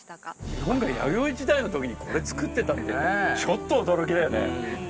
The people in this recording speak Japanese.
日本が弥生時代の時にこれ作ってたってちょっと驚きだよね。